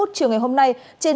trên đường lý thái thái